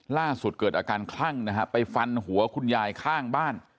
เกิดอาการคลั่งนะฮะไปฟันหัวคุณยายข้างบ้าน